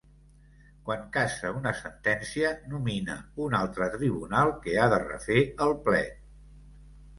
Quan cassa una sentència, nomina un altre tribunal que ha de refer el plet.